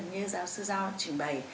như giáo sư giao trình bày